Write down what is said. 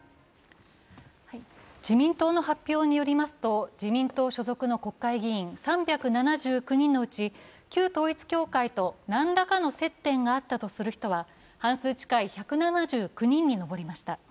自民党の発表によりますと自民党発表の３７９人のうち、旧統一教会と何らかの接点があったとする人は半数近い１７９人に上りました。